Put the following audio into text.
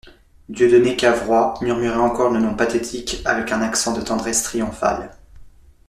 Dieudonné Cavrois murmurait encore le nom pathétique avec un accent de tendresse triomphale.